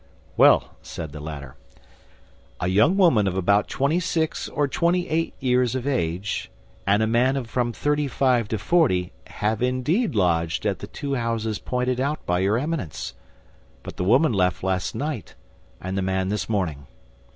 "Well," said the latter, "a young woman of about twenty six or twenty eight years of age, and a man of from thirty five to forty, have indeed lodged at the two houses pointed out by your Eminence; but the woman left last night, and the man this morning."